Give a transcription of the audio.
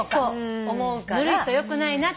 ぬるいとよくないなって？